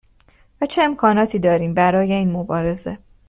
و چه امکاناتی داریم برای این مبارزه